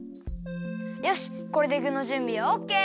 よしこれでぐのじゅんびはオッケー！